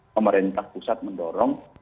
pemerintah pusat mendorong